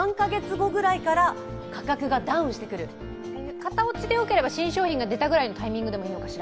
型落ちでよければ、新商品のタイミングでもいいのかしら？